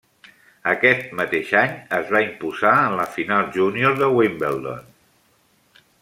Aquest mateix any es va imposar en la final júnior de Wimbledon.